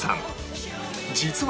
実は